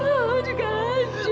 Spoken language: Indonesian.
mama juga hancur